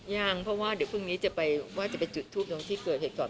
ยังเพราะว่าเดี๋ยวพรุ่งนี้จะไปว่าจะไปจุดทูปตรงที่เกิดเหตุก่อน